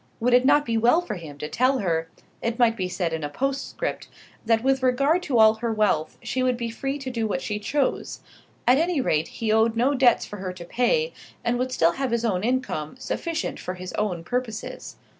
Would it not be well for him to tell her it might be said in a postscript that with regard to all her wealth she would be free to do what she chose? At any rate he owed no debts for her to pay, and would still have his own income, sufficient for his own purposes.